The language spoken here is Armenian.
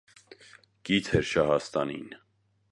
Կից էր շահաստանին։